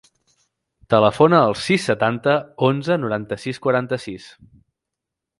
Telefona al sis, setanta, onze, noranta-sis, quaranta-sis.